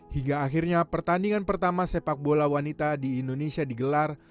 hingga akhirnya pertandingan pertama sepak bola wanita di indonesia digelar